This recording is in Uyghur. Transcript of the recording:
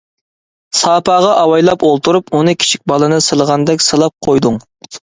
ساپاغا ئاۋايلاپ ئولتۇرۇپ، ئۇنى كىچىك بالىنى سىلىغاندەك سىلاپ قويدۇڭ.